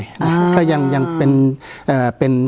ผมคิดว่าไม่ต่างจากเดิมบวกลบนิดหน่อย